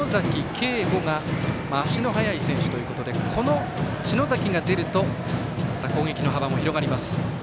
景琥が足の速い選手ということで篠崎が出るとまた攻撃の幅も広がります。